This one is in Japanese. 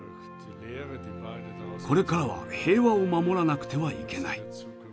「これからは平和を守らなくてはいけない。